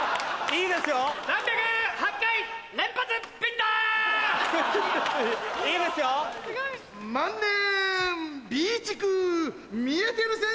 いいですね。